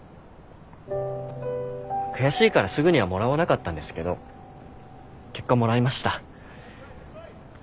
悔しいからすぐにはもらわなかったんですけど結果もらいました。